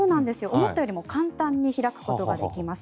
思ったよりも簡単に開くことができます。